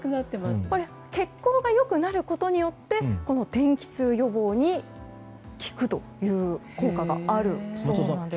血行が良くなることで天気痛予防に効くという効果があるそうです。